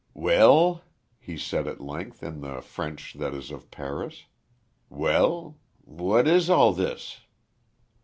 "Well?" he said, at length, in the French that is of Paris. "Well? ... What is all this?"